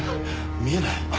見えない？